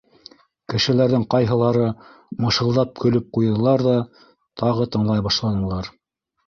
— Кешеләрҙең ҡайһылары мышылдап көлөп ҡуйҙылар ҙа тағы тыңлай башланылар.